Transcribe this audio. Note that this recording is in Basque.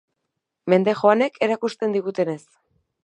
Mende joanek erakusten digutenez.